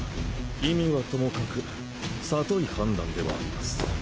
意味はともかく聡い判断ではあります。